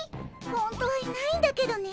本当はいないんだけどね